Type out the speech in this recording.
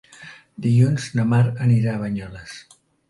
Dilluns na Mar anirà a Banyoles.